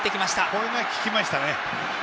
これが効きましたね。